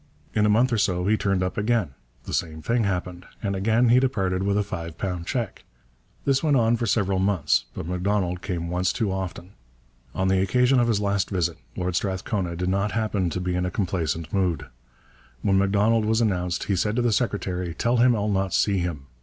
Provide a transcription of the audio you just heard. In a month or so he turned up again; the same thing happened, and again he departed with a five pound cheque. This went on for several months; but M'Donald came once too often. On the occasion of his last visit Lord Strathcona did not happen to be in a complaisant mood. When M'Donald was announced he said to the secretary: 'Tell him I'll not see him.